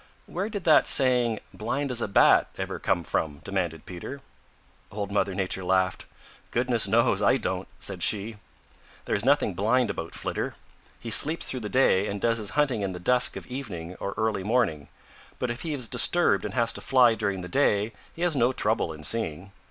"Where did that saying 'blind as a Bat' ever come from?" demanded Peter. Old Mother Nature laughed. "Goodness knows; I don't," said she. "There is nothing blind about Flitter. He sleeps through the day and does his hunting in the dusk of evening or early morning, but if he is disturbed and has to fly during the day, he has no trouble in seeing.